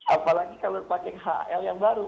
apalagi kalau pakai hl yang baru